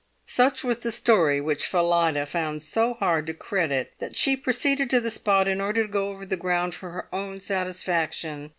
Such was the story which Phillida found so hard to credit that she proceeded to the spot in order to go over the ground for her own satisfaction.